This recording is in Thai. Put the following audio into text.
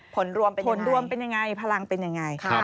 ผลรวมเป็นยังไงผลังเป็นยังไง